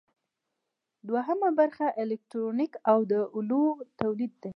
دوهم برخه الکترونیک او د الو تولید دی.